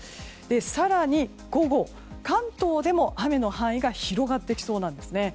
更に、午後関東でも雨の範囲が広がってきそうなんですね。